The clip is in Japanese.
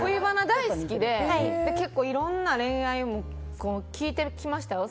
大好きで結構いろんな恋愛を聞いてきましたよ。